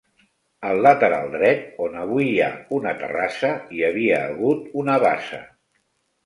Al lateral dret, on avui hi ha una terrassa hi havia hagut una bassa.